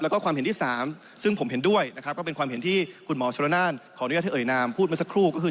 และก็ความเห็นที่๓ซึ่งผมเห็นด้วยนะครับก็เป็นความเห็นที่คุณหมอโชลน่านขนเอ๋นพูดมาสักครู่ก็คือ